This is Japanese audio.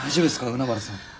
海原さん。